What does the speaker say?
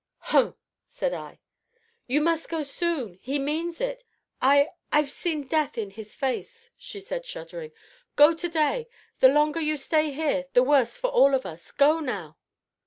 "Hum!" said I. "You must go soon; he means it, I I've seen death in his face," she said, shuddering; "go to day the longer you stay here the worse for all of us go now."